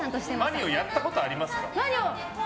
「マリオ」やったことあります？